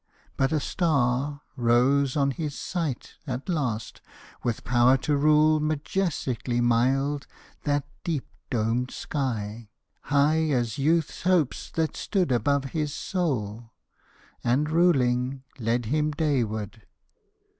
But a star, Rose on his sight, at last, with power to rule Majestically mild that deep domed sky, High as youth's hopes, that stood above his soul; And, ruling, led him dayward.